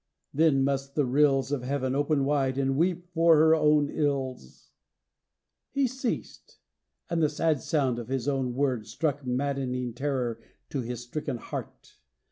Then must the rills Of heaven open wide and weep for her own ills." XVIL He ceased; and the sad sound of his own words Struck maddening terror to his stricken heart.